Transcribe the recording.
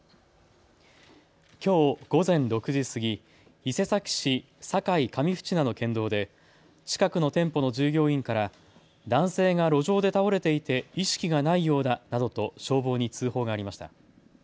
きょう午前６時過ぎ伊勢崎市境上渕名の県道で近くの店舗の従業員から男性が路上で倒れていて意識がないようだなどと消防に通報がありました。